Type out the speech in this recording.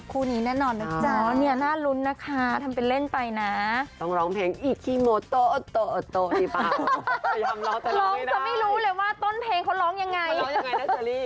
ผมไม่รู้ว่าต้นเพลงเขาร้องยังไง